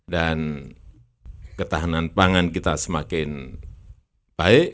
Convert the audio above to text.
dan ketahanan pangan kita semakin baik